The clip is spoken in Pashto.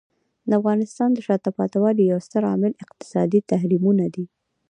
د افغانستان د شاته پاتې والي یو ستر عامل اقتصادي تحریمونه دي.